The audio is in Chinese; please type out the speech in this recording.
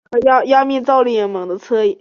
千叶县千叶市出身。